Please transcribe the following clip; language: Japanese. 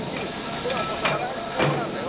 「これはお子様ランチ用なんだよ」。